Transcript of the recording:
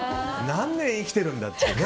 何年、生きてるんだっていうね。